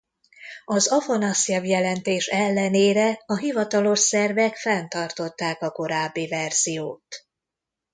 Az Afanaszjev-jelentés ellenére a hivatalos szervek fenntartották a korábbi verziót.